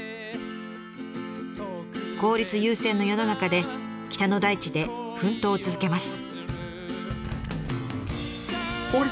効率優先の世の中で北の大地で奮闘を続けます。